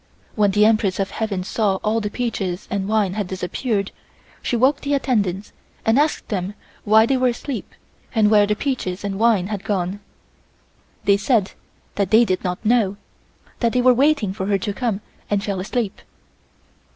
When the Empress of Heaven saw all the peaches and wine had disappeared, she woke the attendants and asked them why they were asleep and where the peaches and wine had gone. They said that they did not know, that they were waiting for her to come and fell asleep.